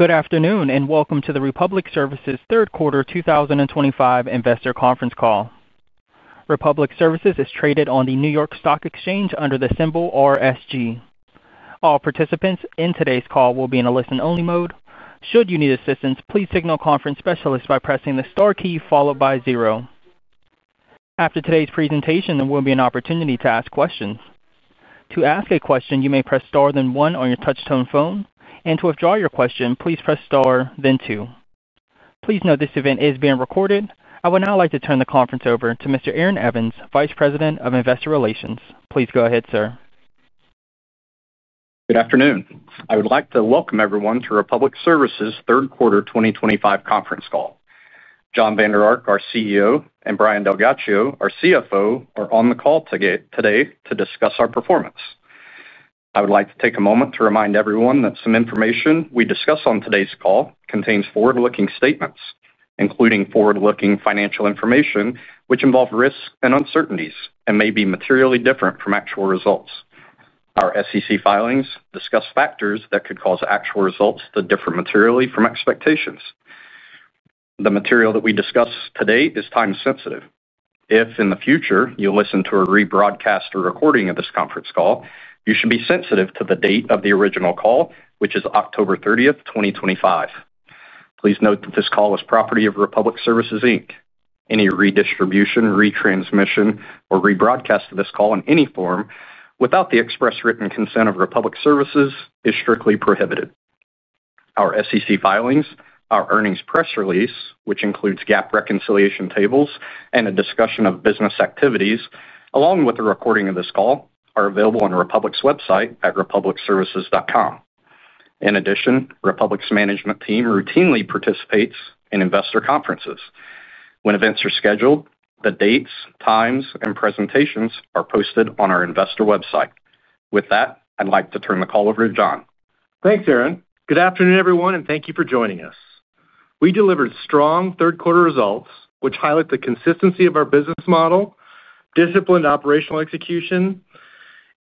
Good afternoon and welcome to the Republic Services Third Quarter 2025 Investor Conference Call. Republic Services is traded on the New York Stock Exchange under the symbol RSG. All participants in today's call will be in a listen-only mode. Should you need assistance, please signal conference specialists by pressing the star key followed by zero. After today's presentation, there will be an opportunity to ask questions. To ask a question, you may press star then one on your touch-tone phone, and to withdraw your question, please press star then two. Please note this event is being recorded. I would now like to turn the conference over to Mr. Aaron Evans, Vice President of Investor Relations. Please go ahead, sir. Good afternoon. I would like to welcome everyone to Republic Services Third Quarter 2025 Conference Call. Jon Vander Ark, our CEO, and Brian DelGhiaccio, our CFO, are on the call today to discuss our performance. I would like to take a moment to remind everyone that some information we discuss on today's call contains forward-looking statements, including forward-looking financial information, which involve risks and uncertainties and may be materially different from actual results. Our SEC filings discuss factors that could cause actual results to differ materially from expectations. The material that we discuss today is time-sensitive. If in the future you listen to a rebroadcast or recording of this conference call, you should be sensitive to the date of the original call, which is October 30, 2025. Please note that this call is property of Republic Services, Inc. Any redistribution, retransmission, or rebroadcast of this call in any form without the express written consent of Republic Services is strictly prohibited. Our SEC filings, our earnings press release, which includes GAAP reconciliation tables and a discussion of business activities, along with a recording of this call, are available on Republic's website at republicservices.com. In addition, Republic's management team routinely participates in investor conferences. When events are scheduled, the dates, times, and presentations are posted on our investor website. With that, I'd like to turn the call over to Jon. Thanks, Aaron. Good afternoon, everyone, and thank you for joining us. We delivered strong third-quarter results, which highlight the consistency of our business model, disciplined operational execution,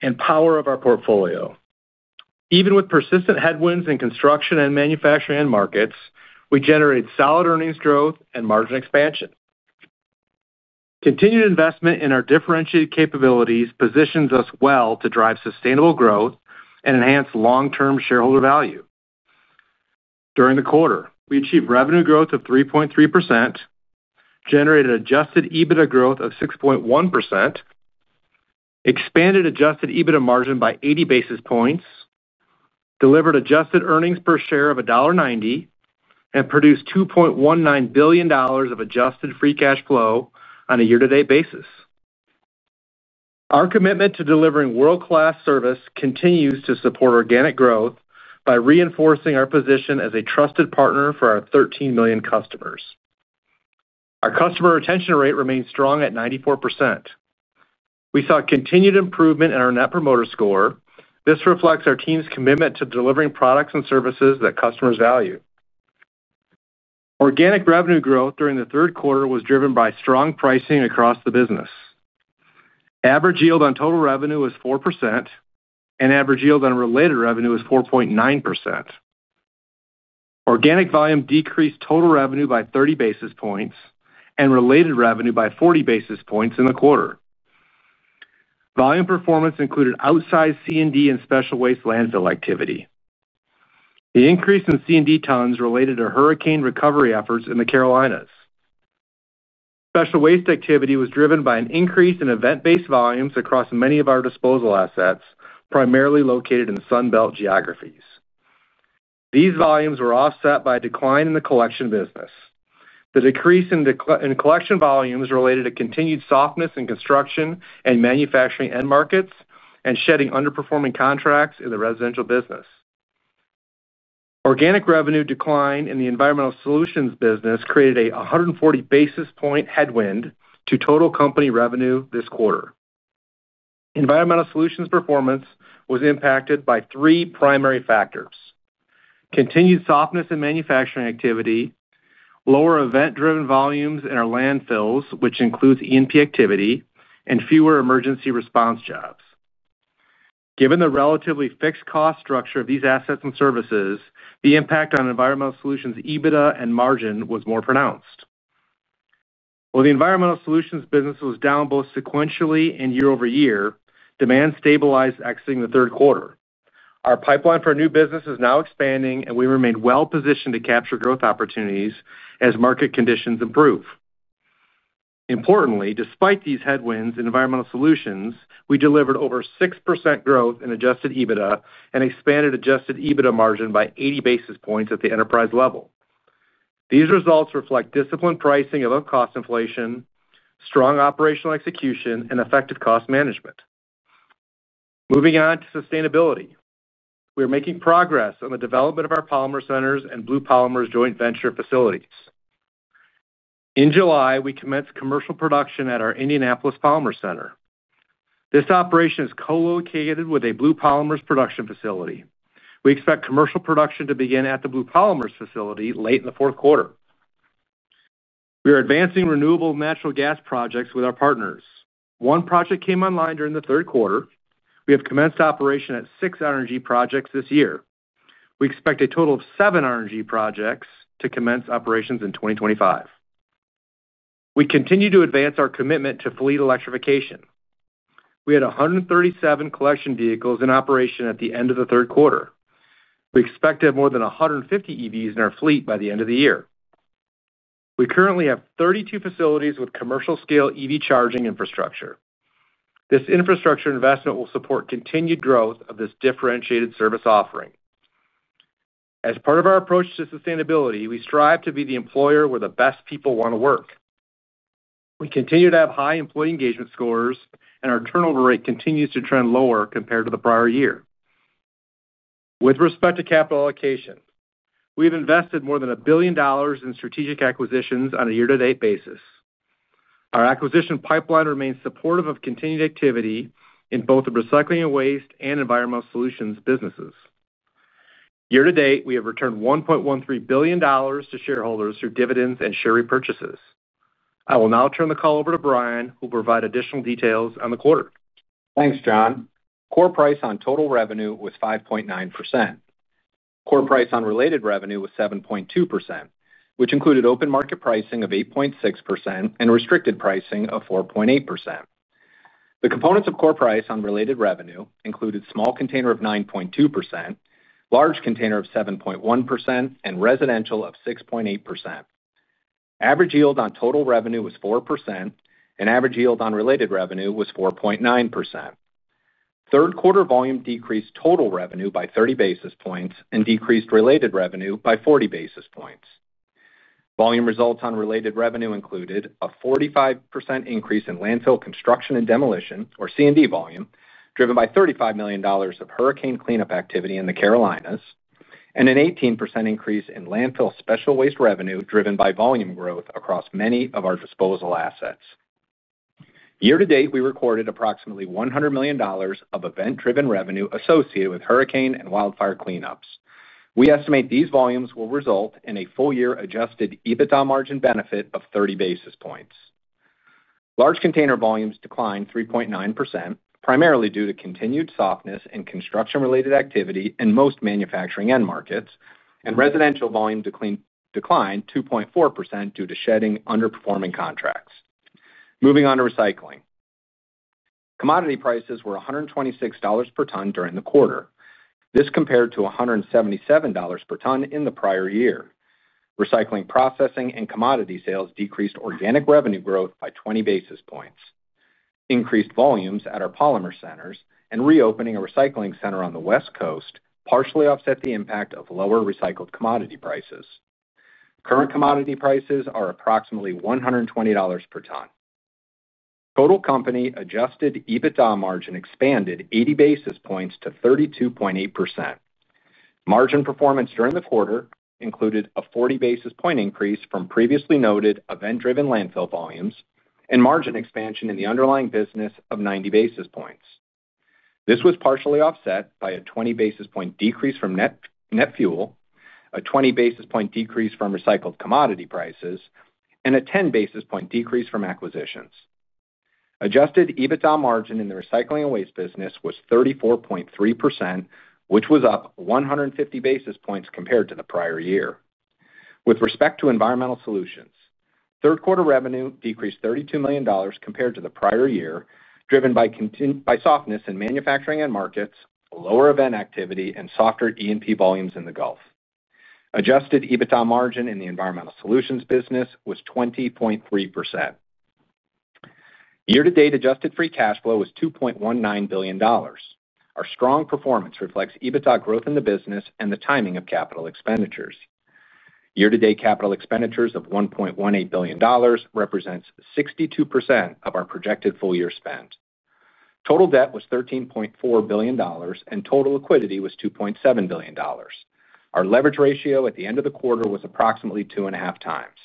and power of our portfolio. Even with persistent headwinds in construction and manufacturing markets, we generated solid earnings growth and margin expansion. Continued investment in our differentiated capabilities positions us well to drive sustainable growth and enhance long-term shareholder value. During the quarter, we achieved revenue growth of 3.3%, generated Adjusted EBITDA growth of 6.1%, expanded Adjusted EBITDA margin by 80 basis points, delivered adjusted earnings per share of $1.90, and produced $2.19 billion of adjusted free cash flow on a year-to-date basis. Our commitment to delivering world-class service continues to support organic growth by reinforcing our position as a trusted partner for our 13 million customers. Our customer retention rate remains strong at 94%. We saw continued improvement in our Net Promoter Score. This reflects our team's commitment to delivering products and services that customers value. Organic revenue growth during the third quarter was driven by strong pricing across the business. Average yield on total revenue was 4%, and average yield on related revenue was 4.9%. Organic volume decreased total revenue by 30 basis points and related revenue by 40 basis points in the quarter. Volume performance included outsized C&D and special waste landfill activity. The increase in C&D tons related to hurricane recovery efforts in the Carolinas. Special waste activity was driven by an increase in event-driven volumes across many of our disposal assets, primarily located in Sun Belt geographies. These volumes were offset by a decline in the collection business. The decrease in collection volumes related to continued softness in construction and manufacturing end markets and shedding underperforming contracts in the residential business. Organic revenue decline in the Environmental Solutions business created a 140 basis point headwind to total company revenue this quarter. Environmental solutions performance was impacted by three primary factors: continued softness in manufacturing activity, lower event-driven volumes in our landfills, which includes E&P activity, and fewer emergency response jobs. Given the relatively fixed cost structure of these assets and services, the impact on Environmental Solutions' EBITDA and margin was more pronounced. While the Environmental Solutions business was down both sequentially and year-over-year, demand stabilized exiting the third quarter. Our pipeline for our new business is now expanding, and we remain well-positioned to capture growth opportunities as market conditions improve. Importantly, despite these headwinds in Environmental Solutions, we delivered over 6% growth in Adjusted EBITDA and expanded Adjusted EBITDA margin by 80 basis points at the enterprise level. These results reflect disciplined pricing above cost inflation, strong operational execution, and effective cost management. Moving on to sustainability. We are making progress on the development of our polymer centers and Blue Polymers joint venture facilities. In July, we commenced commercial production at our Indianapolis Polymer Center. This operation is co-located with a Blue Polymers production facility. We expect commercial production to begin at the Blue Polymers facility late in the fourth quarter. We are advancing renewable natural gas projects with our partners. One project came online during the third quarter. We have commenced operation at six RNG projects this year. We expect a total of seven RNG projects to commence operations in 2025. We continue to advance our commitment to fleet electrification. We had 137 collection vehicles in operation at the end of the third quarter. We expect to have more than 150 EVs in our fleet by the end of the year. We currently have 32 facilities with commercial-scale EV charging infrastructure. This infrastructure investment will support continued growth of this differentiated service offering. As part of our approach to sustainability, we strive to be the employer where the best people want to work. We continue to have high employee engagement scores, and our turnover rate continues to trend lower compared to the prior year. With respect to capital allocation, we have invested more than $1 billion in strategic acquisitions on a year-to-date basis. Our acquisition pipeline remains supportive of continued activity in both the recycling and waste and Environmental Solutions businesses. Year-to-date, we have returned $1.13 billion to shareholders through dividends and share repurchases. I will now turn the call over to Brian, who will provide additional details on the quarter. Thanks, Jon. Core price on total revenue was 5.9%. Core price on related revenue was 7.2%, which included open market pricing of 8.6% and restricted pricing of 4.8%. The components of core price on related revenue included small container of 9.2%, large container of 7.1%, and residential of 6.8%. Average yield on total revenue was 4%, and average yield on related revenue was 4.9%. Third quarter volume decreased total revenue by 30 basis points and decreased related revenue by 40 basis points. Volume results on related revenue included a 45% increase in landfill construction and demolition, or C&D volume, driven by $35 million of hurricane cleanup activity in the Carolinas, and an 18% increase in landfill special waste revenue driven by volume growth across many of our disposal assets. Year-to-date, we recorded approximately $100 million of event-driven revenue associated with hurricane and wildfire cleanups. We estimate these volumes will result in a full-year Adjusted EBITDA margin benefit of 30 basis points. Large container volumes declined 3.9%, primarily due to continued softness in construction-related activity in most manufacturing end markets, and residential volume declined 2.4% due to shedding underperforming contracts. Moving on to recycling. Commodity prices were $126 per ton during the quarter. This compared to $177 per ton in the prior year. Recycling processing and commodity sales decreased organic revenue growth by 20 basis points. Increased volumes at our polymer centers and reopening a recycling center on the West Coast partially offset the impact of lower recycled commodity prices. Current commodity prices are approximately $120 per ton. Total company Adjusted EBITDA margin expanded 80 basis points to 32.8%. Margin performance during the quarter included a 40 basis point increase from previously noted event-driven landfill volumes and margin expansion in the underlying business of 90 basis points. This was partially offset by a 20 basis point decrease from net fuel, a 20 basis point decrease from recycled commodity prices, and a 10 basis point decrease from acquisitions. Adjusted EBITDA margin in the recycling and waste business was 34.3%, which was up 150 basis points compared to the prior year. With respect to Environmental Solutions, third quarter revenue decreased $32 million compared to the prior year, driven by softness in manufacturing end markets, lower event activity, and softer E&P volumes in the Gulf. Adjusted EBITDA margin in the Environmental Solutions business was 20.3%. Year-to-date adjusted free cash flow was $2.19 billion. Our strong performance reflects EBITDA growth in the business and the timing of capital expenditures. Year-to-date capital expenditures of $1.18 billion represents 62% of our projected full-year spend. Total debt was $13.4 billion, and total liquidity was $2.7 billion. Our leverage ratio at the end of the quarter was approximately two and a half times.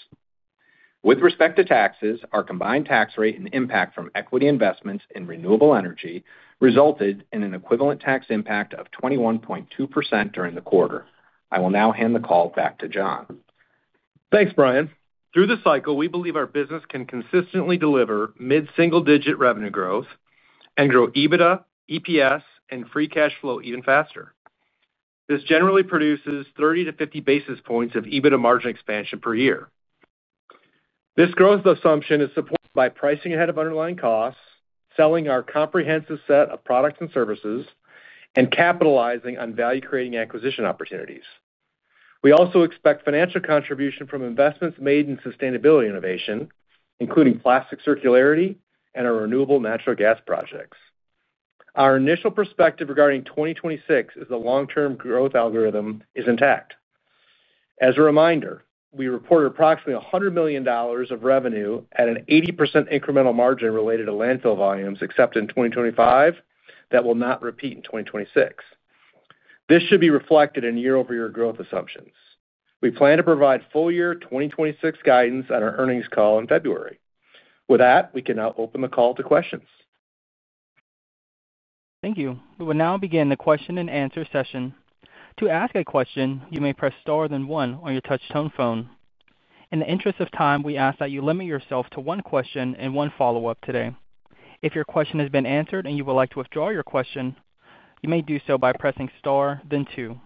With respect to taxes, our combined tax rate and impact from equity investments in renewable energy resulted in an equivalent tax impact of 21.2% during the quarter. I will now hand the call back to Jon. Thanks, Brian. Through this cycle, we believe our business can consistently deliver mid-single-digit revenue growth and grow EBITDA, EPS, and free cash flow even faster. This generally produces 30-50 basis points of EBITDA margin expansion per year. This growth assumption is supported by pricing ahead of underlying costs, selling our comprehensive set of products and services, and capitalizing on value-creating acquisition opportunities. We also expect financial contribution from investments made in sustainability innovation, including plastic circularity and our renewable natural gas projects. Our initial perspective regarding 2026 is the long-term growth algorithm is intact. As a reminder, we reported approximately $100 million of revenue at an 80% incremental margin related to landfill volumes except in 2025 that will not repeat in 2026. This should be reflected in year-over-year growth assumptions. We plan to provide full-year 2026 guidance on our earnings call in February. With that, we can now open the call to questions. Thank you. We will now begin the question-and-answer session. To ask a question, you may press star then one on your touch-tone phone. In the interest of time, we ask that you limit yourself to one question and one follow-up today. If your question has been answered and you would like to withdraw your question, you may do so by pressing star then two.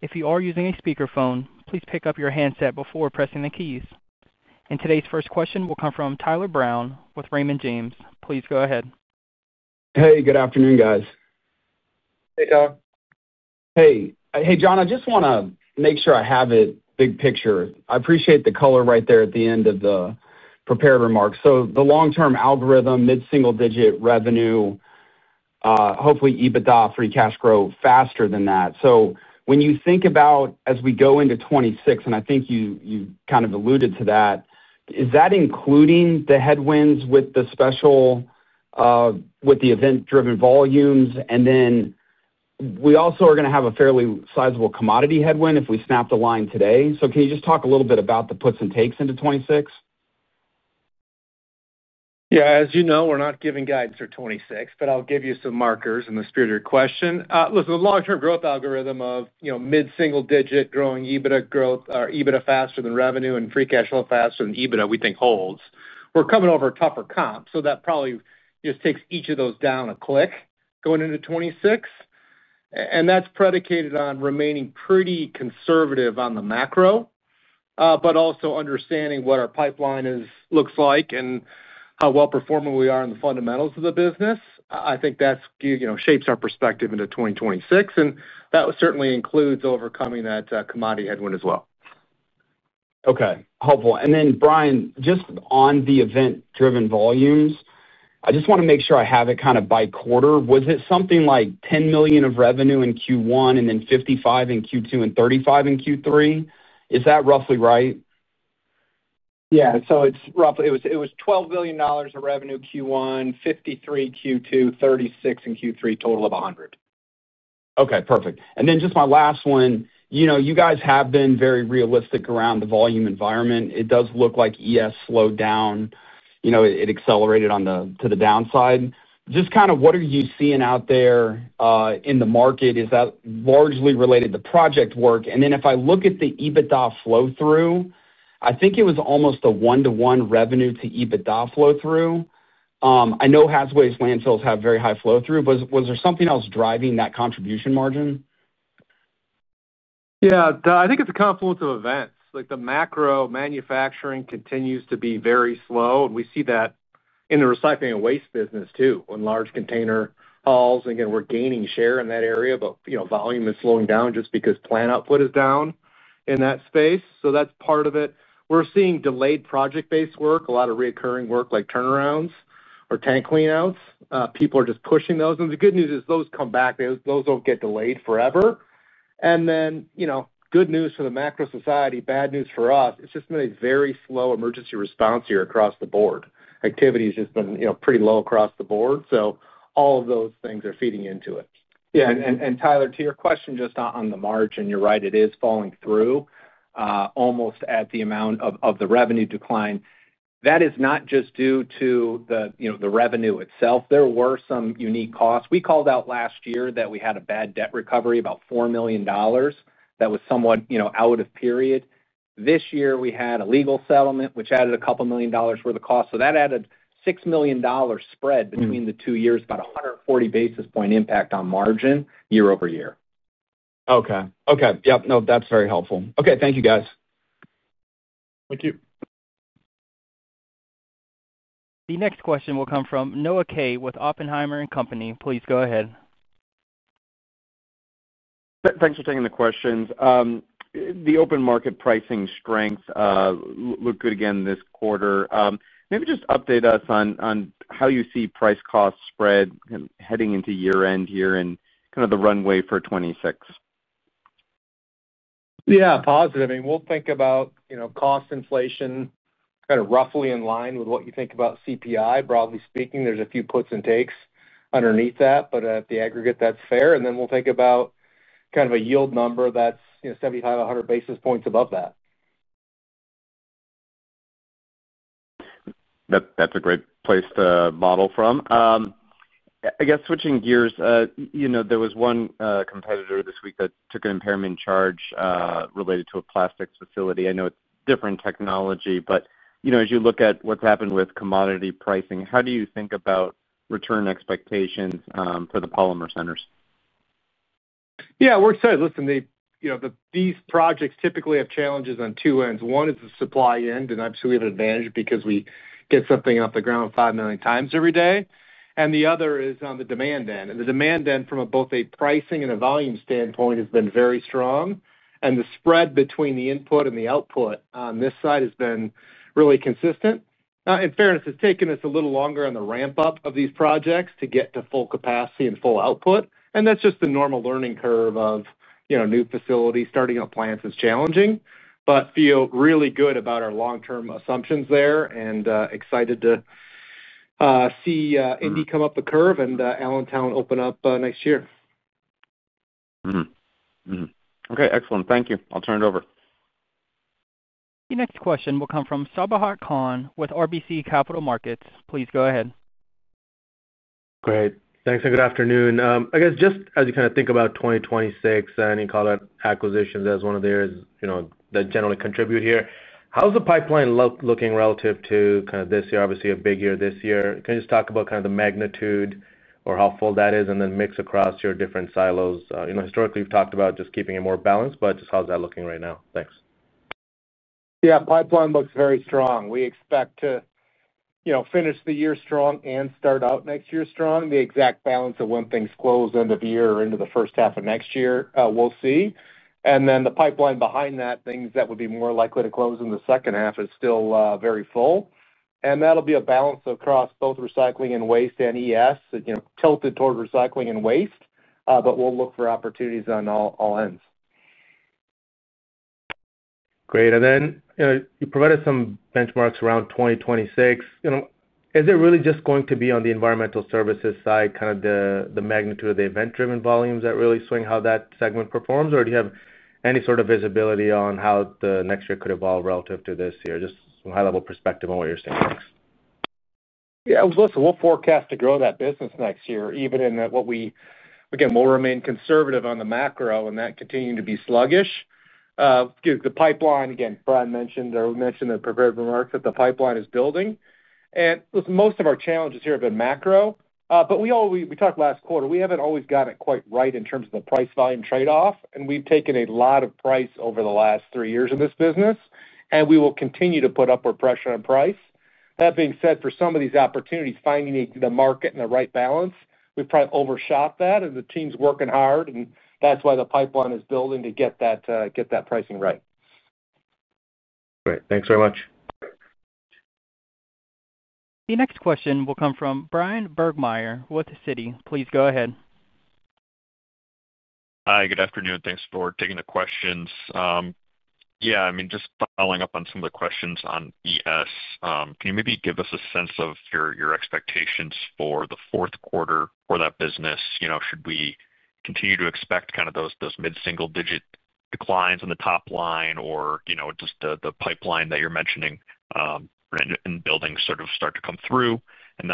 If you are using a speakerphone, please pick up your handset before pressing the keys. Today's first question will come from Tyler Brown with Raymond James. Please go ahead. Hey, good afternoon, guys. Hey, Tom. Hey, Jon. I just want to make sure I have it big picture. I appreciate the color right there at the end of the prepared remarks. The long-term algorithm, mid-single-digit revenue, hopefully EBITDA, free cash grow faster than that. When you think about as we go into 2026, and I think you kind of alluded to that, is that including the headwinds with the event-driven volumes? We also are going to have a fairly sizable commodity headwind if we snap the line today. Can you just talk a little bit about the puts and takes into 2026? Yeah. As you know, we're not giving guidance for 2026, but I'll give you some markers in the spirit of your question. Listen, the long-term growth algorithm of mid-single-digit growing EBITDA growth or EBITDA faster than revenue and free cash flow faster than EBITDA, we think holds. We're coming over a tougher comp, so that probably just takes each of those down a click going into 2026. That's predicated on remaining pretty conservative on the macro, but also understanding what our pipeline looks like and how well-performing we are in the fundamentals of the business. I think that shapes our perspective into 2026, and that certainly includes overcoming that commodity headwind as well. Okay. Helpful. Brian, just on the event-driven volumes, I just want to make sure I have it kind of by quarter. Was it something like $10 million of revenue in Q1, then $55 million in Q2, and $35 million in Q3? Is that roughly right? Yeah. It was $12 billion of revenue Q1, $53 million Q2, $36 million in Q3, total of $100 million. Okay. Perfect. Just my last one. You guys have been very realistic around the volume environment. It does look like ES slowed down. It accelerated to the downside. What are you seeing out there in the market? Is that largely related to the project work? If I look at the EBITDA flow-through, I think it was almost a one-to-one revenue to EBITDA flow-through. I know Republic Services' landfills have very high flow-through, but was there something else driving that contribution margin? Yeah. I think it's a confluence of events. The macro manufacturing continues to be very slow, and we see that in the recycling and waste business too on large container hauls. We're gaining share in that area, but volume is slowing down just because plant output is down in that space. That's part of it. We're seeing delayed project-based work, a lot of recurring work like turnarounds or tank cleanouts. People are just pushing those. The good news is those come back. Those don't get delayed forever. Good news for the macro society, bad news for us. It's just been a very slow emergency response here across the board. Activity has just been pretty low across the board. All of those things are feeding into it. Yeah. Tyler, to your question, just on the margin, you're right. It is falling through almost at the amount of the revenue decline. That is not just due to the revenue itself. There were some unique costs. We called out last year that we had a bad debt recovery, about $4 million. That was somewhat out of period. This year, we had a legal settlement, which added a couple of million dollars worth of cost. That added a $6 million spread between the two years, about 140 basis point impact on margin year-over-year. Okay. Yep. No, that's very helpful. Okay. Thank you, guys. Thank you. The next question will come from Noah Kaye with Oppenheimer & Company. Please go ahead. Thanks for taking the questions. The open market pricing strength looked good again this quarter. Maybe just update us on how you see price-cost spread heading into year-end here and kind of the runway for 2026. Yeah. Positive. I mean, we'll think about cost inflation kind of roughly in line with what you think about CPI. Broadly speaking, there's a few puts and takes underneath that, but at the aggregate, that's fair. We'll think about kind of a yield number that's 75, 100 basis points above that. That's a great place to model from. I guess switching gears, there was one competitor this week that took an impairment charge related to a plastics facility. I know it's different technology, but as you look at what's happened with commodity pricing, how do you think about return expectations for the polymer centers? Yeah. We're excited. Listen, these projects typically have challenges on two ends. One is the supply end, and obviously, we have an advantage because we get something off the ground five million times every day. The other is on the demand end. The demand end, from both a pricing and a volume standpoint, has been very strong. The spread between the input and the output on this side has been really consistent. In fairness, it's taken us a little longer on the ramp-up of these projects to get to full capacity and full output. That's just the normal learning curve of new facilities starting up. Plants is challenging. I feel really good about our long-term assumptions there and excited to see Indy come up the curve and Allentown open up next year. Okay. Excellent. Thank you. I'll turn it over. The next question will come from Sabahat Khan with RBC Capital Markets. Please go ahead. Great. Thanks and good afternoon. I guess just as you kind of think about 2026 and you call out acquisitions as one of the areas that generally contribute here, how's the pipeline looking relative to kind of this year, obviously a big year this year? Can you just talk about the magnitude or how full that is and then mix across your different silos? Historically, we've talked about just keeping it more balanced, but just how's that looking right now? Thanks. Yeah. Pipeline looks very strong. We expect to finish the year strong and start out next year strong. The exact balance of when things close end of year or into the first half of next year, we'll see. The pipeline behind that, things that would be more likely to close in the second half, is still very full. That'll be a balance across both recycling and waste and ES, tilted toward recycling and waste, but we'll look for opportunities on all ends. Great. You provided some benchmarks around 2026. Is it really just going to be on the environmental services side, kind of the magnitude of the event-driven volumes that really swing how that segment performs, or do you have any sort of visibility on how the next year could evolve relative to this year? Just some high-level perspective on what you're seeing next. Yeah. We'll forecast to grow that business next year, even in what we, again, will remain conservative on the macro and that continuing to be sluggish. The pipeline, again, Brian mentioned in the prepared remarks that the pipeline is building. Most of our challenges here have been macro. We talked last quarter, we haven't always gotten it quite right in terms of the price-volume trade-off. We've taken a lot of price over the last three years in this business, and we will continue to put upward pressure on price. That being said, for some of these opportunities, finding the market and the right balance, we've probably overshot that, and the team's working hard, and that's why the pipeline is building to get that pricing right. Great, thanks very much. The next question will come from Bryan Burgmeier with Citi. Please go ahead. Hi. Good afternoon. Thanks for taking the questions. Just following up on some of the questions on ES, can you maybe give us a sense of your expectations for the fourth quarter for that business? Should we continue to expect kind of those mid-single-digit declines in the top line or just the pipeline that you're mentioning? Do buildings sort of start to come through?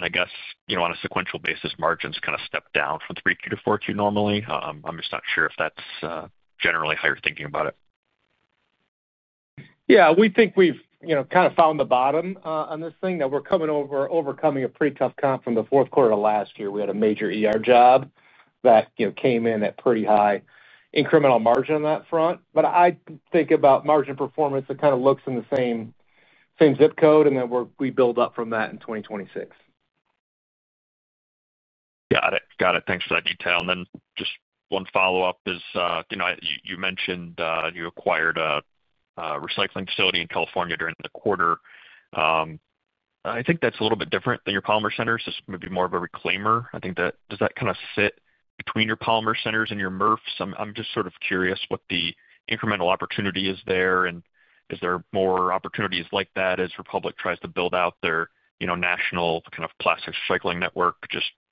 I guess on a sequential basis, margins kind of step down from 3Q to 4Q normally. I'm just not sure if that's generally how you're thinking about it. Yeah. We think we've kind of found the bottom on this thing. Now, we're overcoming a pretty tough comp from the fourth quarter of last year. We had a major job that came in at pretty high incremental margin on that front. I think about margin performance, it kind of looks in the same zip code, and then we build up from that in 2026. Got it. Thanks for that detail. Just one follow-up is you mentioned you acquired a recycling facility in California during the quarter. I think that's a little bit different than your polymer centers. It's maybe more of a reclaimer. Does that kind of sit between your polymer centers and your MRFs? I'm just curious what the incremental opportunity is there, and is there more opportunity like that as Republic Services tries to build out their national plastics recycling network?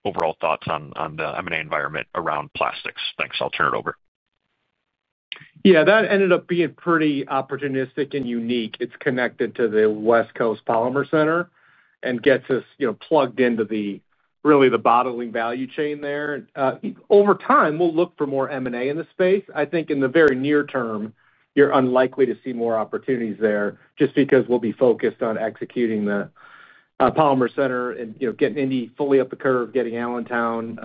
Overall thoughts on the M&A environment around plastics. Thanks. I'll turn it over. Yeah. That ended up being pretty opportunistic and unique. It's connected to the West Coast Polymer Center and gets us plugged into really the bottling value chain there. Over time, we'll look for more M&A in the space. I think in the very near term, you're unlikely to see more opportunities there just because we'll be focused on executing the Polymer Center and getting Indy fully up the curve, getting Allentown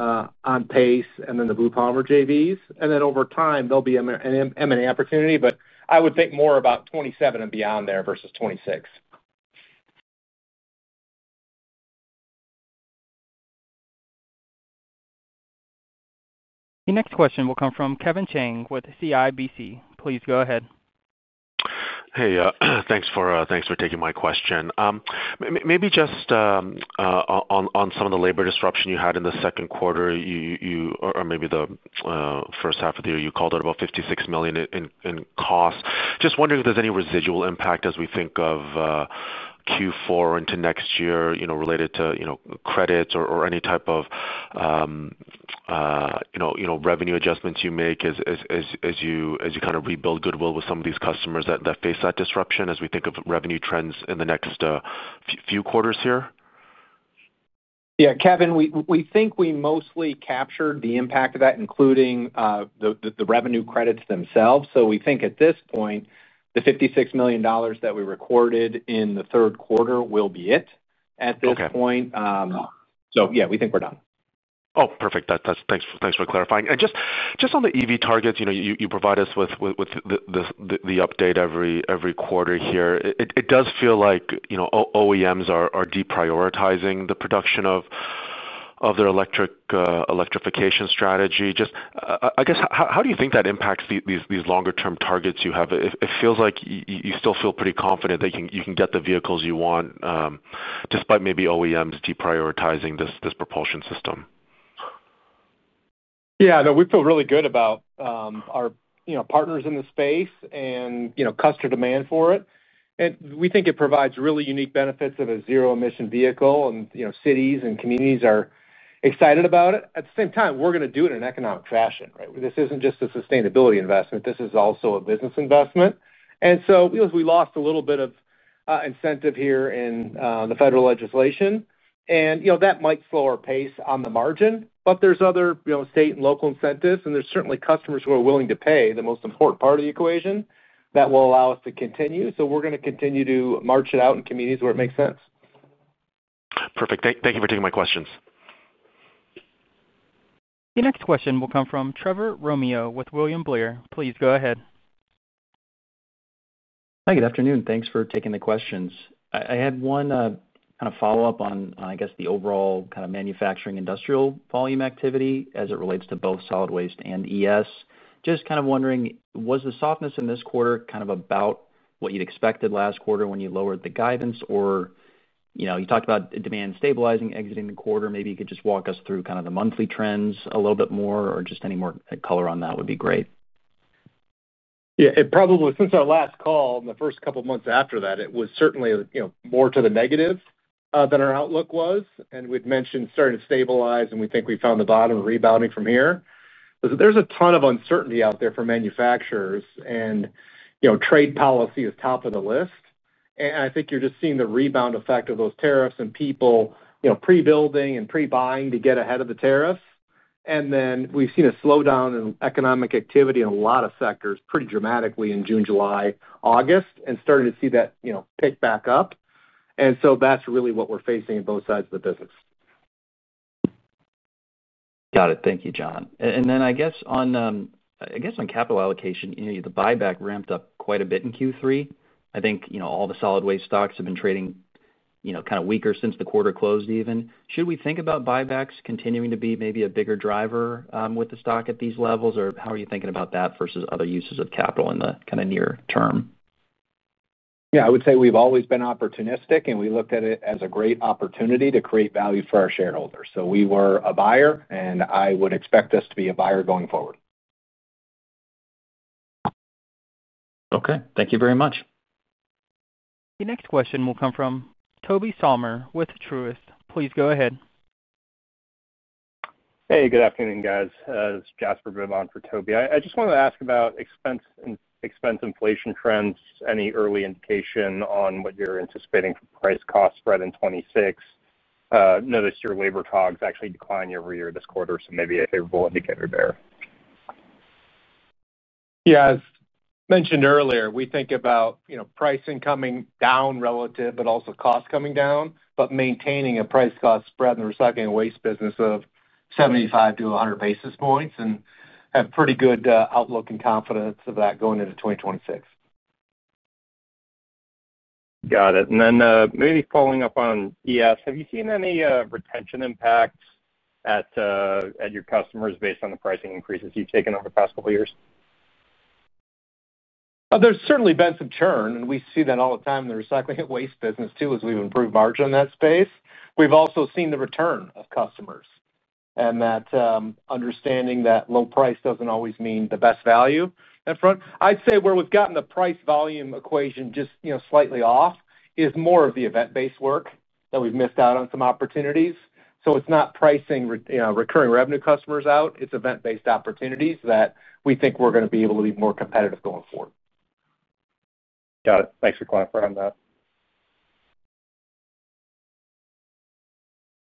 on pace, and then the Blue Polymers joint ventures. Over time, there'll be an M&A opportunity, but I would think more about 2027 and beyond there versus 2026. The next question will come from Kevin Chang with CIBC. Please go ahead. Hey, thanks for taking my question. Maybe just on some of the labor disruption you had in the second quarter or maybe the first half of the year, you called out about $56 million in cost. Just wondering if there's any residual impact as we think of Q4 into next year related to credits or any type of revenue adjustments you make as you kind of rebuild goodwill with some of these customers that faced that disruption as we think of revenue trends in the next few quarters here? Yeah, Kevin, we think we mostly captured the impact of that, including the revenue credits themselves. We think at this point, the $56 million that we recorded in the third quarter will be it at this point. We think we're done. Oh, perfect. Thanks for clarifying. Just on the EV targets you provide us with, the update every quarter here, it does feel like OEMs are deprioritizing the production of their electrification strategy. How do you think that impacts these longer-term targets you have? It feels like you still feel pretty confident that you can get the vehicles you want, despite maybe OEMs deprioritizing this propulsion system. Yeah. No, we feel really good about our partners in the space and customer demand for it. We think it provides really unique benefits of a zero-emission vehicle, and cities and communities are excited about it. At the same time, we're going to do it in an economic fashion, right? This isn't just a sustainability investment. This is also a business investment. We lost a little bit of incentive here in the federal legislation, and that might slow our pace on the margin, but there are other state and local incentives, and there are certainly customers who are willing to pay. The most important part of the equation that will allow us to continue. We're going to continue to march it out in communities where it makes sense. Perfect. Thank you for taking my questions. The next question will come from Trevor Romeo with William Blair. Please go ahead. Hi. Good afternoon. Thanks for taking the questions. I had one kind of follow-up on the overall kind of manufacturing industrial volume activity as it relates to both solid waste and ES. Just wondering, was the softness in this quarter about what you'd expected last quarter when you lowered the guidance? You talked about demand stabilizing, exiting the quarter. Maybe you could just walk us through the monthly trends a little bit more or just any more color on that would be great. Yeah. Since our last call and the first couple of months after that, it was certainly more to the negative than our outlook was. We'd mentioned starting to stabilize, and we think we found the bottom and are rebounding from here. There's a ton of uncertainty out there for manufacturers. Trade policy is top of the list. I think you're just seeing the rebound effect of those tariffs and people prebuilding and prebuying to get ahead of the tariffs. We've seen a slowdown in economic activity in a lot of sectors pretty dramatically in June, July, August, and are starting to see that pick back up. That's really what we're facing on both sides of the business. Got it. Thank you, Jon. I guess on capital allocation, the buyback ramped up quite a bit in Q3. I think all the solid waste stocks have been trading kind of weaker since the quarter closed. Should we think about buybacks continuing to be maybe a bigger driver with the stock at these levels, or how are you thinking about that versus other uses of capital in the near term? Yeah, I would say we've always been opportunistic, and we looked at it as a great opportunity to create value for our shareholders. We were a buyer, and I would expect us to be a buyer going forward. Okay, thank you very much. The next question will come from Tobey Sommer with Truist. Please go ahead. Hey. Good afternoon, guys. This is Jasper Bevon for Tobey. I just wanted to ask about expense inflation trends, any early indication on what you're anticipating for price-cost spread in 2026? Noticed your labor COGS actually declined year-over-year this quarter, so maybe a favorable indicator there. Yeah. As mentioned earlier, we think about pricing coming down relative, but also cost coming down, but maintaining a price-cost spread in the recycling and waste business of 75 to 100 basis points and have pretty good outlook and confidence of that going into 2026. Got it. Maybe following up on ES, have you seen any retention impacts at your customers based on the pricing increases you've taken over the past couple of years? There's certainly been some churn, and we see that all the time in the recycling and waste business too as we've improved margin in that space. We've also seen the return of customers and that understanding that low price doesn't always mean the best value upfront. I'd say where we've gotten the price-volume equation just slightly off is more of the event-driven work that we've missed out on some opportunities. It's not pricing recurring revenue customers out. It's event-driven opportunities that we think we're going to be able to be more competitive going forward. Got it. Thanks for clarifying that.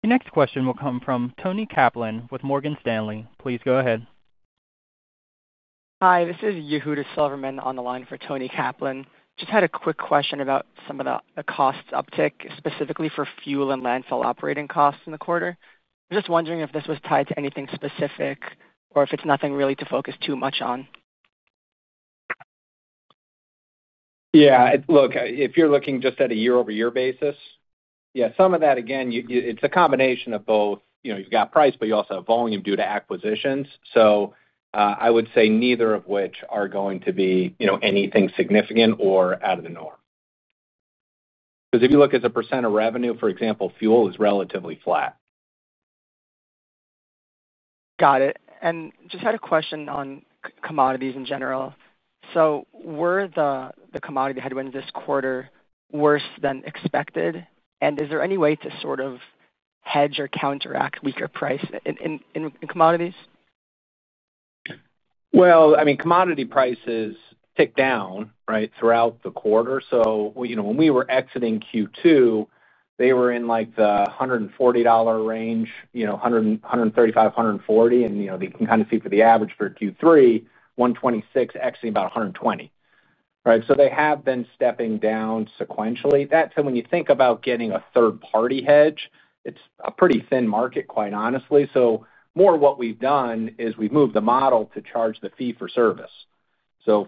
The next question will come from Toni Kaplan with Morgan Stanley. Please go ahead. Hi, this is Yehuda Silverman on the line for Toni Kaplan. Just had a quick question about some of the cost uptick, specifically for fuel and landfill operating costs in the quarter. Just wondering if this was tied to anything specific or if it's nothing really to focus too much on. Yeah. Look, if you're looking just at a year-over-year basis, yeah, some of that, again, it's a combination of both. You've got price, but you also have volume due to acquisitions. I would say neither of which are going to be anything significant or out of the norm, because if you look at a % of revenue, for example, fuel is relatively flat. Got it. I just had a question on commodities in general. Were the commodity headwinds this quarter worse than expected? Is there any way to hedge or counteract weaker price in commodities? Commodity prices ticked down throughout the quarter. When we were exiting Q2, they were in the $140 range, $135, $140. You can kind of see for the average for Q3, $126, actually about $120. They have been stepping down sequentially. When you think about getting a third-party hedge, it's a pretty thin market, quite honestly. More what we've done is we've moved the model to charge the fee for service.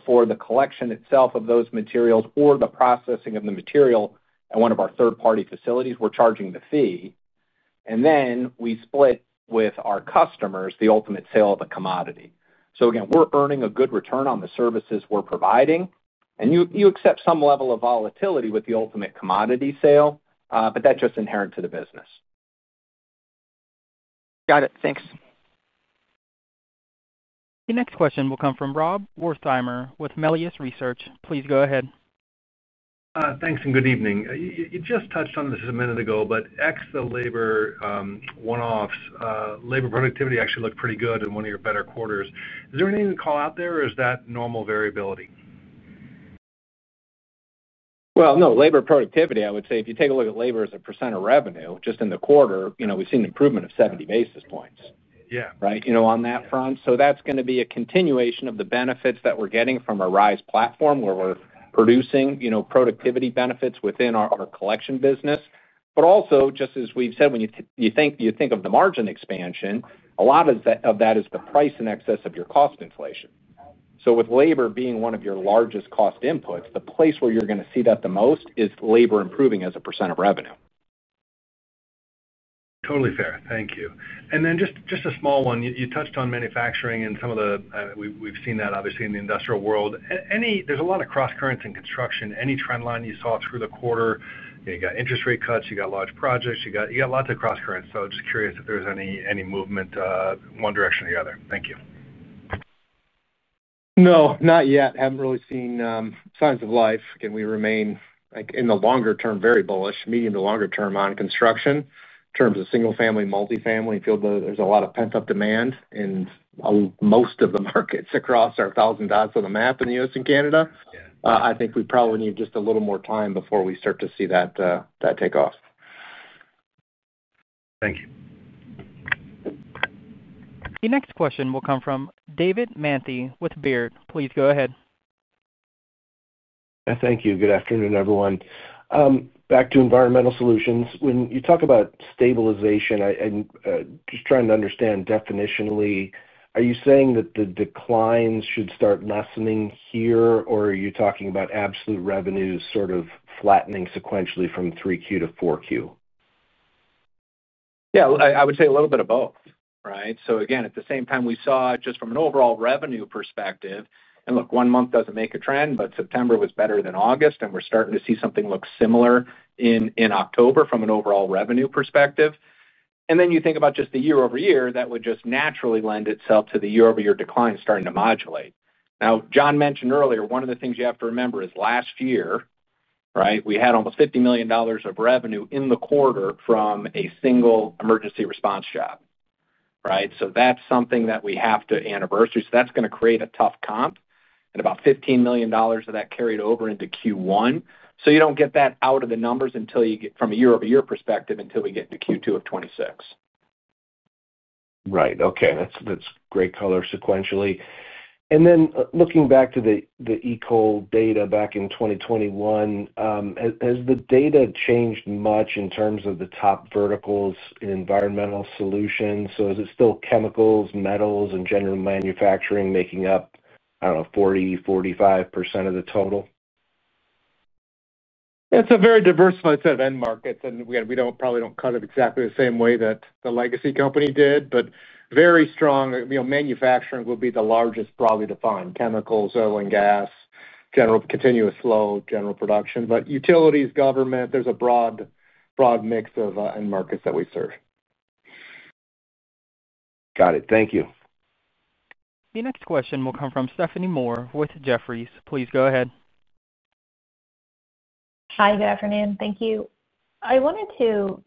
For the collection itself of those materials or the processing of the material at one of our third-party facilities, we're charging the fee, and then we split with our customers the ultimate sale of the commodity. Again, we're earning a good return on the services we're providing, and you accept some level of volatility with the ultimate commodity sale, but that's just inherent to the business. Got it. Thanks. The next question will come from Rob Wertheimer with Melius Research. Please go ahead. Thanks and good evening. You just touched on this a minute ago, but ex the labor one-offs, labor productivity actually looked pretty good in one of your better quarters. Is there anything to call out there, or is that normal variability? Labor productivity, I would say if you take a look at labor as a % of revenue just in the quarter, we've seen an improvement of 70 basis points on that front. That's going to be a continuation of the benefits that we're getting our RISE Digital Operations Platform where we're producing productivity benefits within our collection business. Also, just as we've said, when you think of the margin expansion, a lot of that is the price in excess of your cost inflation. With labor being one of your largest cost inputs, the place where you're going to see that the most is labor improving as a percent of revenue. Totally fair. Thank you. Just a small one. You touched on manufacturing and some of the, we've seen that obviously in the industrial world. There's a lot of cross-currents in construction. Any trend line you saw through the quarter? You got interest rate cuts, you got large projects, you got lots of cross-currents. I'm just curious if there's any movement one direction or the other. Thank you. No, not yet. Haven't really seen signs of life. Again, we remain in the longer term very bullish, medium to longer term on construction. In terms of single-family, multifamily, I feel there's a lot of pent-up demand in most of the markets across our thousand dots on the map in the U.S. and Canada. I think we probably need just a little more time before we start to see that take off. Thank you. The next question will come from David Manthey with Baird.Please go ahead. Thank you. Good afternoon, everyone. Back to Environmental Solutions. When you talk about stabilization, I'm just trying to understand definitionally. Are you saying that the declines should start lessening here, or are you talking about absolute revenues sort of flattening sequentially from 3Q to 4Q? Yeah. I would say a little bit of both, right? At the same time, we saw just from an overall revenue perspective, one month doesn't make a trend, but September was better than August, and we're starting to see something look similar in October from an overall revenue perspective. You think about just the year-over-year, that would just naturally lend itself to the year-over-year decline starting to modulate. Jon mentioned earlier, one of the things you have to remember is last year, we had almost $50 million of revenue in the quarter from a single emergency response shop, right? That's something that we have to anniversary. That's going to create a tough comp. About $15 million of that carried over into Q1. You don't get that out of the numbers from a year-over-year perspective until we get to Q2 of 2026. Right. Okay. That's great color sequentially. Looking back to the eco data back in 2021, has the data changed much in terms of the top verticals in Environmental Solutions? Is it still chemicals, metals, and general manufacturing making up, I don't know, 40%–45% of the total? It's a very diversified set of end markets. We probably don't cut it exactly the same way that the legacy company did, but very strong. Manufacturing will be the largest, probably defined: chemicals, oil and gas, general continuous flow, general production. Utilities, government, there's a broad mix of end markets that we serve. Got it. Thank you. The next question will come from Stephanie Moore with Jefferies. Please go ahead. Hi. Good afternoon. Thank you. I wanted to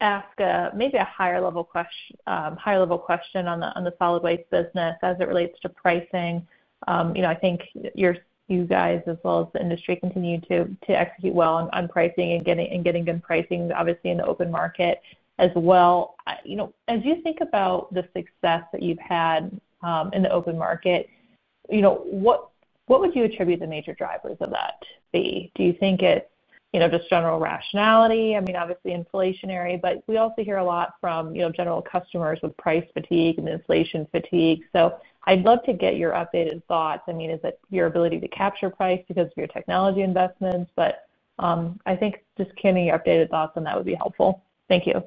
ask maybe a higher-level question on the solid waste business as it relates to pricing. I think you guys, as well as the industry, continue to execute well on pricing and getting good pricing, obviously, in the open market as well. As you think about the success that you've had in the open market, what would you attribute the major drivers of that to be? Do you think it's just general rationality? I mean, obviously, inflationary, but we also hear a lot from general customers with price fatigue and inflation fatigue. I'd love to get your updated thoughts. I mean, is it your ability to capture price because of your technology investments? I think just getting your updated thoughts on that would be helpful. Thank you.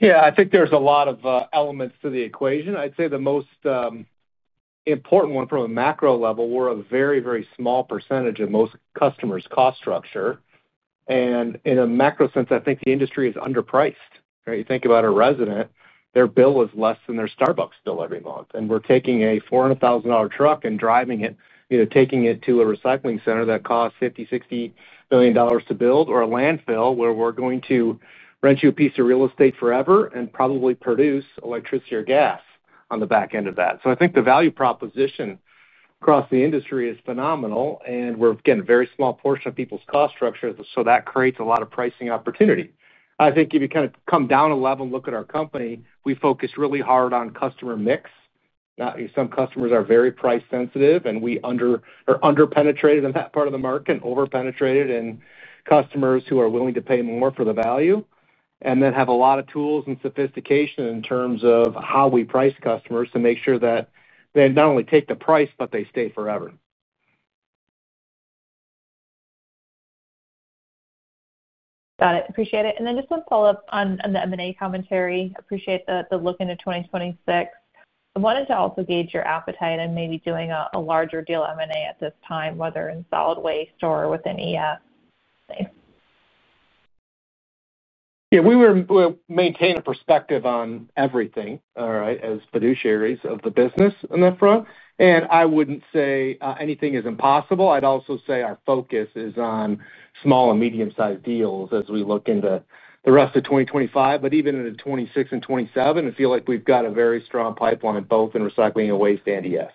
Yeah. I think there's a lot of elements to the equation. I'd say the most important one from a macro level, we're a very, very small percentage of most customers' cost structure. In a macro sense, I think the industry is underpriced, right? You think about a resident, their bill is less than their Starbucks bill every month. We're taking a $400,000 truck and driving it, taking it to a recycling center that costs $50 million, $60 million to build, or a landfill where we're going to rent you a piece of real estate forever and probably produce electricity or gas on the back end of that. I think the value proposition across the industry is phenomenal, and we're getting a very small portion of people's cost structure, so that creates a lot of pricing opportunity. If you kind of come down a level and look at our company, we focus really hard on customer mix. Some customers are very price-sensitive, and we are underpenetrated in that part of the market and overpenetrated in customers who are willing to pay more for the value and then have a lot of tools and sophistication in terms of how we price customers to make sure that they not only take the price, but they stay forever. Got it. Appreciate it. Just one follow-up on the M&A commentary. Appreciate the look into 2026. I wanted to also gauge your appetite and maybe doing a larger deal M&A at this time, whether in solid waste or within ES. Yeah. We maintain a perspective on everything, all right, as fiduciaries of the business on that front. I wouldn't say anything is impossible. I'd also say our focus is on small and medium-sized deals as we look into the rest of 2025. Even into 2026 and 2027, I feel like we've got a very strong pipeline both in recycling and waste and ES.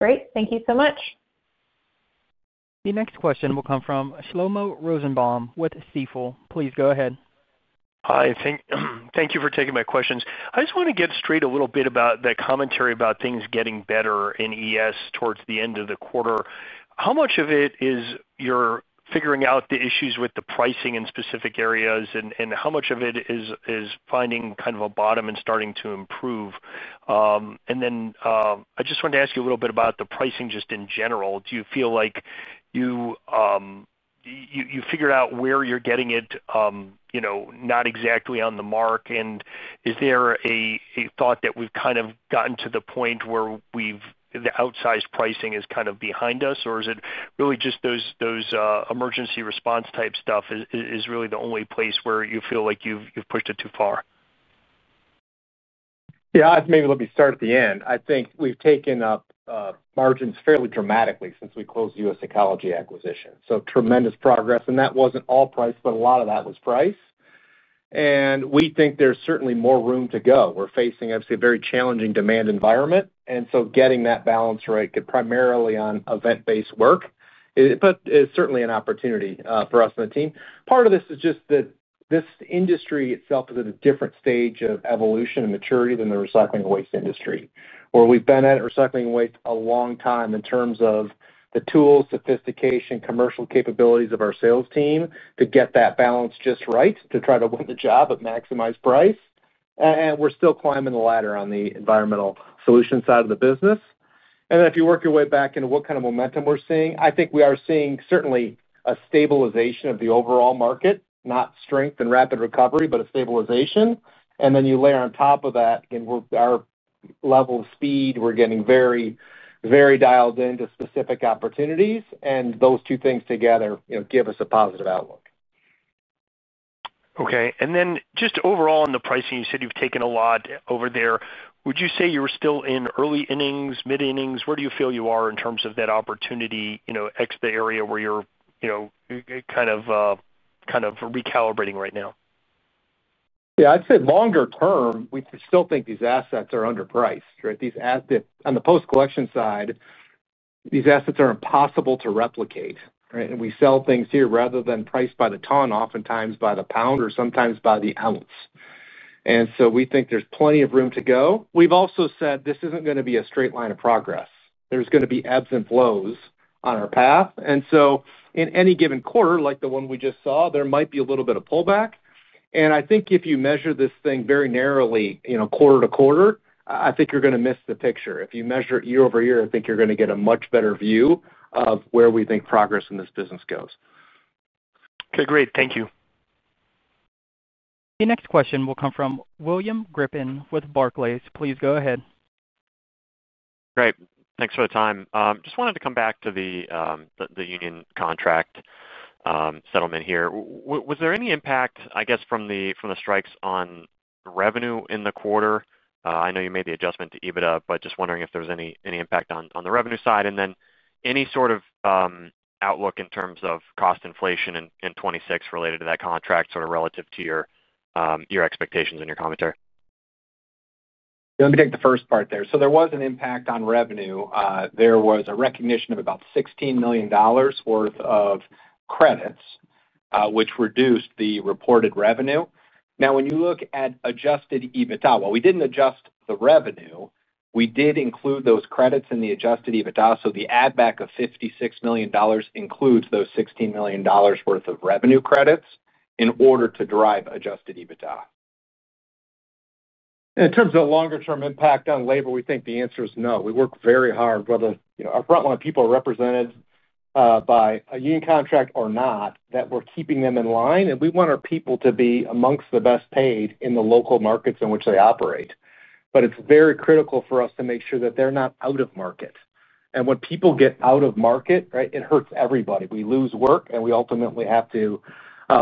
Great. Thank you so much. The next question will come from Shlomo Rosenbaum with Stifel. Please go ahead. Hi. Thank you for taking my questions. I just want to get straight a little bit about the commentary about things getting better in ES towards the end of the quarter. How much of it is your figuring out the issues with the pricing in specific areas, and how much of it is finding kind of a bottom and starting to improve? I just wanted to ask you a little bit about the pricing just in general. Do you feel like you figured out where you're getting it not exactly on the mark? Is there a thought that we've kind of gotten to the point where the outsized pricing is kind of behind us, or is it really just those emergency response type stuff is really the only place where you feel like you've pushed it too far? Yeah. Maybe let me start at the end. I think we've taken up margins fairly dramatically since we closed the US Ecology acquisition. Tremendous progress, and that wasn't all price, but a lot of that was price. We think there's certainly more room to go. We're facing obviously a very challenging demand environment, and getting that balance right primarily on event-driven work is certainly an opportunity for us and the team. Part of this is just that this industry itself is at a different stage of evolution and maturity than the recycling and waste industry, where we've been at recycling and waste a long time in terms of the tools, sophistication, and commercial capabilities of our sales team to get that balance just right to try to win the job at maximized price. We're still climbing the ladder on the Environmental Solutions side of the business. If you work your way back into what kind of momentum we're seeing, I think we are seeing certainly a stabilization of the overall market, not strength and rapid recovery, but a stabilization. You layer on top of that, again, our level of speed, we're getting very dialed into specific opportunities. Those two things together give us a positive outlook. Okay. On the pricing, you said you've taken a lot over there. Would you say you're still in early innings, mid-innings? Where do you feel you are in terms of that opportunity, excluding the area where you're kind of recalibrating right now? Yeah. I'd say longer term, we still think these assets are underpriced, right? On the post-collection side, these assets are impossible to replicate, right? We sell things here rather than priced by the ton, oftentimes by the pound or sometimes by the ounce. We think there's plenty of room to go. We've also said this is not going to be a straight line of progress. There are going to be ebbs and flows on our path. In any given quarter, like the one we just saw, there might be a little bit of pullback. I think if you measure this thing very narrowly, quarter to quarter, you're going to miss the picture. If you measure it year-over-year, I think you're going to get a much better view of where we think progress in this business goes. Okay, great. Thank you. The next question will come from William Grippin with Barclays. Please go ahead. Great. Thanks for the time. Just wanted to come back to the union contract settlement here. Was there any impact, I guess, from the strikes on revenue in the quarter? I know you made the adjustment to EBITDA, but just wondering if there was any impact on the revenue side. Any sort of outlook in terms of cost inflation in 2026 related to that contract relative to your expectations and your commentary? Let me take the first part there. There was an impact on revenue. There was a recognition of about $16 million worth of credits, which reduced the reported revenue. Now, when you look at Adjusted EBITDA, we didn't adjust the revenue. We did include those credits in the Adjusted EBITDA. The add-back of $56 million includes those $16 million worth of revenue credits in order to drive Adjusted EBITDA. In terms of the longer-term impact on labor, we think the answer is no. We work very hard whether our frontline people are represented by a union contract or not, that we're keeping them in line. We want our people to be amongst the best paid in the local markets in which they operate. It is very critical for us to make sure that they're not out of market. When people get out of market, it hurts everybody. We lose work, and we ultimately have to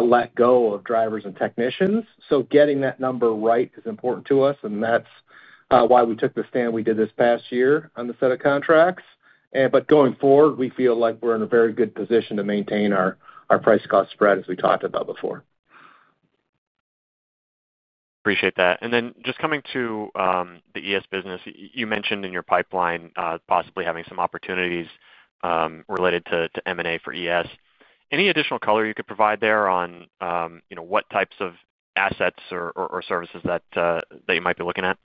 let go of drivers and technicians. Getting that number right is important to us. That is why we took the stand we did this past year on the set of contracts. Going forward, we feel like we're in a very good position to maintain our price-cost spread, as we talked about before. Appreciate that. Just coming to the ES business, you mentioned in your pipeline possibly having some opportunities related to M&A for ES. Any additional color you could provide there on what types of assets or services that you might be looking at?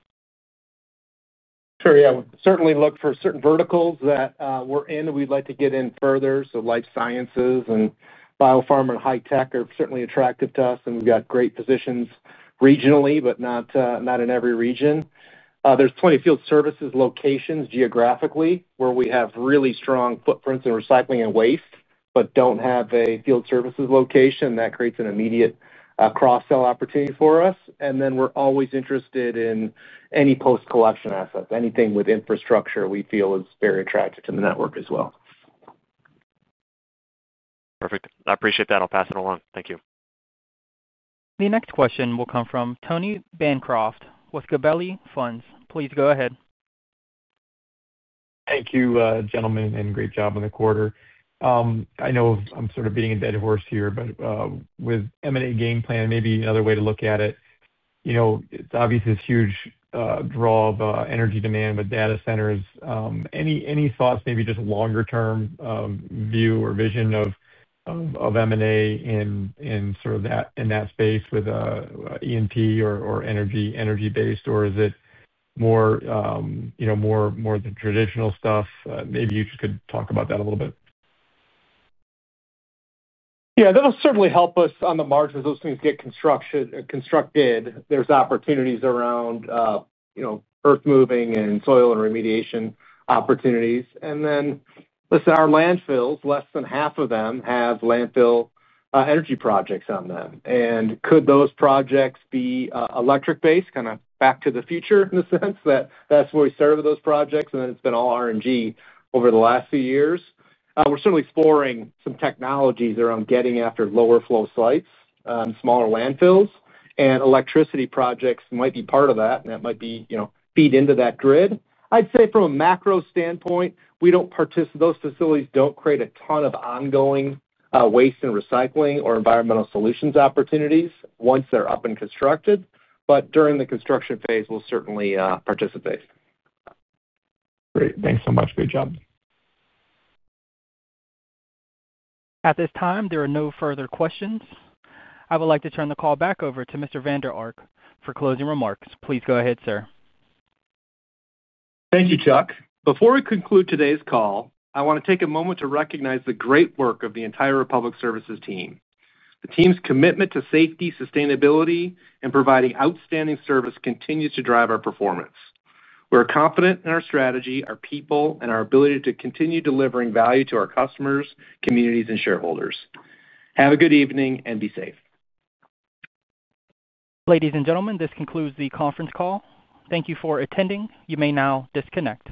Sure. We certainly look for certain verticals that we're in and we'd like to get in further. Life sciences and biopharma and high tech are certainly attractive to us. We've got great positions regionally, but not in every region. There are plenty of field services locations geographically where we have really strong footprints in recycling and waste, but don't have a field services location. That creates an immediate cross-sell opportunity for us. We're always interested in any post-collection assets. Anything with infrastructure we feel is very attractive to the network as well. Perfect. I appreciate that. I'll pass it along. Thank you. The next question will come from Tony Bancroft with Gabelli Funds. Please go ahead. Thank you, gentlemen, and great job in the quarter. I know I'm sort of beating a dead horse here, but with the M&A game plan, maybe another way to look at it. It's obviously this huge draw of energy demand with data centers. Any thoughts, maybe just a longer-term view or vision of M&A in sort of that space with E&P or energy-based, or is it more the traditional stuff? Maybe you could talk about that a little bit. Yeah. That'll certainly help us on the margins. As those things get constructed, there's opportunities around earth moving and soil and remediation opportunities. Our landfills, less than half of them have landfill energy projects on them. Could those projects be electric-based, kind of back to the future in the sense that that's where we serve those projects, and then it's been all R&D over the last few years? We're certainly exploring some technologies around getting after lower-flow sites and smaller landfills. Electricity projects might be part of that, and that might feed into that grid. I'd say from a macro standpoint, we don't participate. Those facilities don't create a ton of ongoing waste and recycling or Environmental Solutions opportunities once they're up and constructed. During the construction phase, we'll certainly participate. Great. Thanks so much. Great job. At this time, there are no further questions. I would like to turn the call back over to Mr. Jon Vander Ark for closing remarks. Please go ahead, sir. Thank you, Chuck. Before we conclude today's call, I want to take a moment to recognize the great work of the entire Republic Services team. The team's commitment to safety, sustainability, and providing outstanding service continues to drive our performance. We're confident in our strategy, our people, and our ability to continue delivering value to our customers, communities, and shareholders. Have a good evening and be safe. Ladies and gentlemen, this concludes the conference call. Thank you for attending. You may now disconnect.